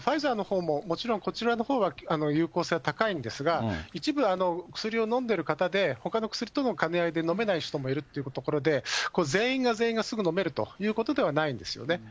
だからこれは本当に、万能ではなくて、ファイザーのほうももちろんこちらのほうは有効性は高いんですが、一部、薬を飲んでる方でほかの薬との兼ね合いで飲めない人もいるというところで、全員が全員がすぐ飲めるということではないんですよね。